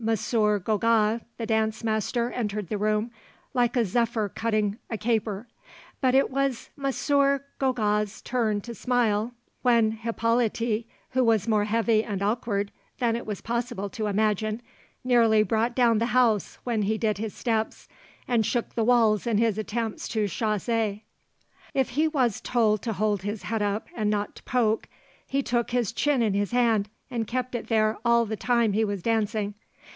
Gogault, the dancing master, entered the room 'like a zephyr cutting a caper'; but it was M. Gogault's turn to smile when Hippolyte, who was more heavy and awkward than it was possible to imagine, nearly brought down the house when he did his steps, and shook the walls in his attempts to chasser. If he was told to hold his head up and not to poke, he took his chin in his hand, and kept it there all the time he was dancing.